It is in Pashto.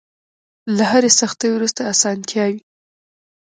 له هرې سختۍ وروسته ارسانتيا وي.